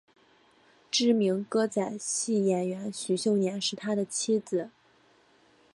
知名歌仔戏演员许秀年是他的妻子。